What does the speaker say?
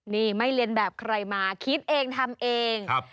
นี่ไม่เรียนแบบใครมาคิดเองทำเอง